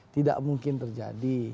tidak mungkin terjadi